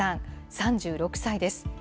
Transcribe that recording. ３６歳です。